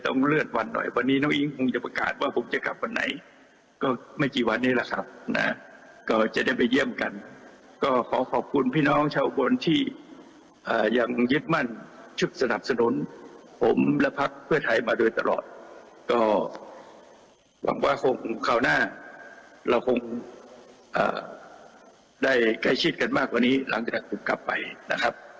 ในปีหน้าเราคงได้ใกล้ชีดกันมากกว่านี้หลังจากกลุ่มกลับไปนะครับ